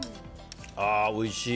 ああ、おいしい。